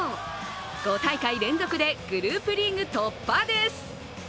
５大会連続でグループリーグ突破です。